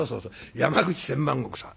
山口千万石さん。